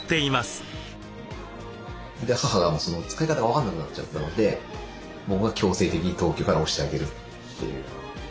母が使い方分かんなくなっちゃったので僕が強制的に東京から押してあげるという。